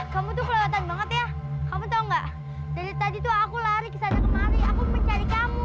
kamu tuh kelewatan banget ya kamu tahu nggak dari tadi tuh aku lari kesana kemari aku mencari kamu